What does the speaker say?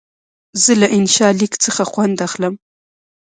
زه له انشا لیک څخه خوند اخلم.